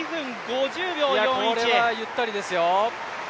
これはゆったりですよ。